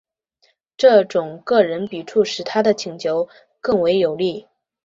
这种个人笔触使他的请求更为有力。